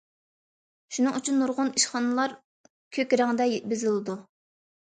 شۇنىڭ ئۈچۈن نۇرغۇن ئىشخانىلار كۆك رەڭدە بېزىلىدۇ.